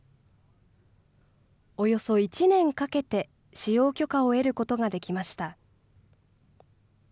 およそ１年かけて、使用許可を得ることができました。